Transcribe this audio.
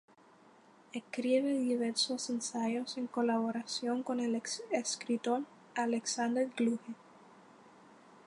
Escribe diversos ensayos en colaboración con el escritor Alexander Kluge.